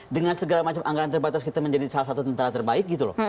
dengan segala macam anggaran terbatas kita menjadi salah satu tentara terbaik gitu loh